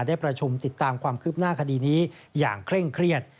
ได้ประชุมติดตามความคืบหน้าคดีนี้อย่างเคร่งเครียด